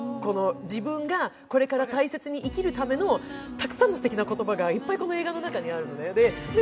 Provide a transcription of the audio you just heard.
自分がこれから大切に生きるための大切な言葉がいっぱいこの映画の中にあるのね。